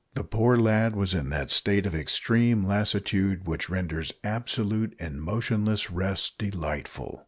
The poor lad was in that state of extreme lassitude which renders absolute and motionless rest delightful.